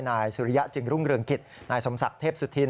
นายสุริยะจึงรุ่งเรืองกิจนายสมศักดิ์เทพสุธิน